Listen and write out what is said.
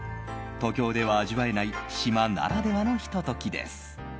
東京では味わえない島ならではのひと時です。